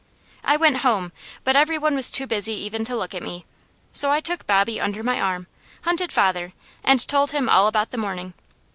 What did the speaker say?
I went home, but every one was too busy even to look at me, so I took Bobby under my arm, hunted father, and told him all about the morning.